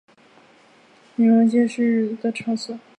冥界是阎罗王判决幽灵转生或成佛之前幽灵逗留的场所。